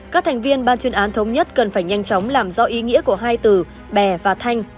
cần phải nhanh chóng làm rõ ý nghĩa của hai từ bè và thanh